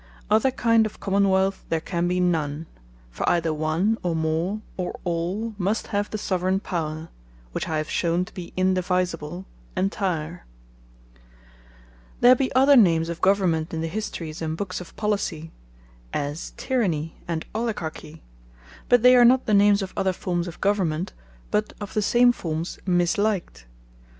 Other kind of Common wealth there can be none: for either One, or More, or All must have the Soveraign Power (which I have shewn to be indivisible) entire. Tyranny And Oligarchy, But Different Names Of Monarchy, And Aristocracy There be other names of Government, in the Histories, and books of Policy; as Tyranny, and Oligarchy: But they are not the names of other Formes of Government, but of the same Formes misliked.